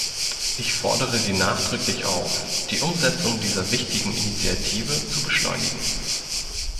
Ich fordere sie nachdrücklich auf, die Umsetzung dieser wichtigen Initiative zu beschleunigen.